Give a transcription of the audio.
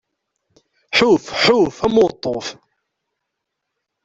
Ḥuf, ḥuf, am uweṭṭuf!